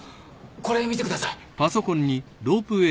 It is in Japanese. これ見てください。